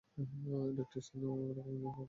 ইলেকট্রিশিয়ানও এরকম ইউনিফর্ম পরে।